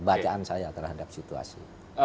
bacaan saya terhadap situasi